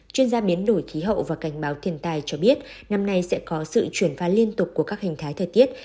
chuyên gia biến đổi khí hậu và cảnh báo thiền tài cho biết năm nay sẽ có sự chuyển pha liên tục của các hình thái thời tiết